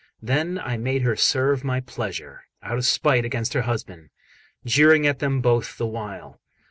Then I made her serve my pleasure, out of spite against her husband, jeering at them both the while.